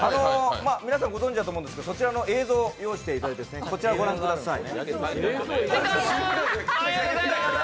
皆さんご存じだと思うんですけどそちらの映像を用意していただいて、こちらご覧ください。